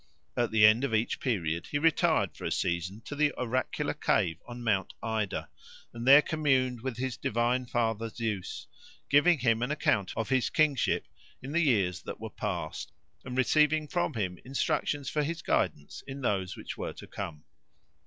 At the end of each period he retired for a season to the oracular cave on Mount Ida, and there communed with his divine father Zeus, giving him an account of his kingship in the years that were past, and receiving from him instructions for his guidance in those which were to come.